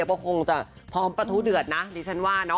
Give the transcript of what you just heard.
ดูค่อนข้างหนักแน่เหมือนกันนะว่า